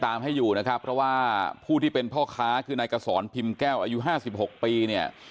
ให้อยู่นะครับเพราะว่าผู้ที่เป็นพ่อค้าคือนายกษรพิมพ์แก้วอายุห้าสิบหกปีเนี่ย